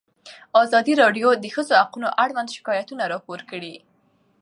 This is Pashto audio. ازادي راډیو د د ښځو حقونه اړوند شکایتونه راپور کړي.